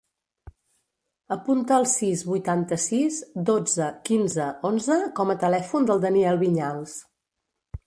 Apunta el sis, vuitanta-sis, dotze, quinze, onze com a telèfon del Daniel Viñals.